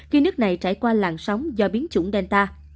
khi nước này trải qua làn sóng do biến chủng delta